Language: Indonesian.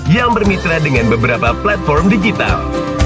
yang bermitra dengan beberapa platform digital